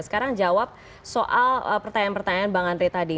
sekarang jawab soal pertanyaan pertanyaan bang andre tadi